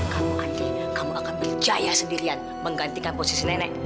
kamu andi kamu akan berjaya sendirian menggantikan posisi nenek